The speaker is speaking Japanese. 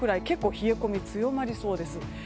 結構冷え込み強まりそうです。